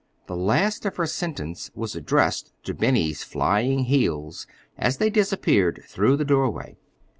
The last of her sentence was addressed to Benny's flying heels as they disappeared through the doorway.